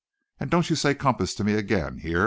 And don't you say compass to me again, hear?"